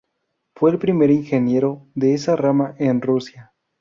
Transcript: Fue el primer ingeniero de esa rama en Rusia.